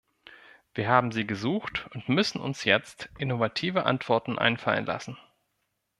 Wir haben sie gesucht und müssen uns jetzt innovative Antworten einfallen lassen.